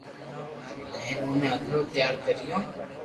ھين اوني ھکرو تيار ڪريو